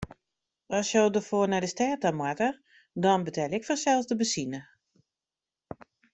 As jo derfoar nei de stêd ta moatte, dan betelje ik fansels de benzine.